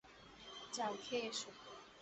যাও, খেয়ে এসো।